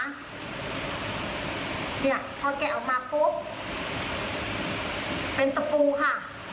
เนี่ยพอแกะออกมาปุ๊บเป็นตะปูค่ะ